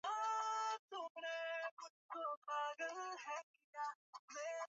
ata kuahidiwa kupewa makaazi katika mataifa ya nje